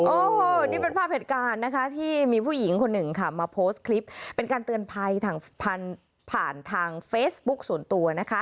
โอ้โหนี่เป็นภาพเหตุการณ์นะคะที่มีผู้หญิงคนหนึ่งค่ะมาโพสต์คลิปเป็นการเตือนภัยทางผ่านทางเฟซบุ๊กส่วนตัวนะคะ